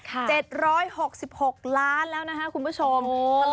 ๗๖๖ล้านบาทแล้วนะคะคุณผู้ชม